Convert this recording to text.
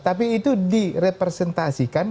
tapi itu direpresentasikan